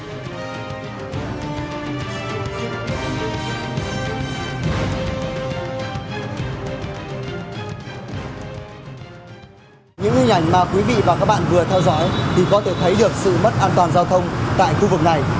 những hình ảnh mà quý vị và các bạn vừa theo dõi thì có thể thấy được sự mất an toàn giao thông tại khu vực này